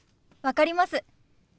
分かります。